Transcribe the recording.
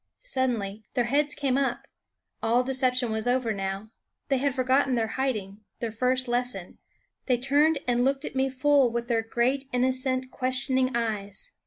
Sud denly their heads came up. Play was over now. They had forgotten their hiding, their first lesson; they turned and looked at me full with their great, innocent, questioning eyes.